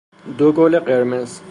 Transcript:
دو گل قرمز